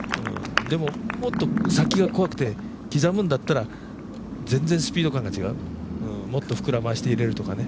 でも、もっと先が怖くて刻むんだったら、全然スピード感が違う、もっと膨らませて入れるとかね。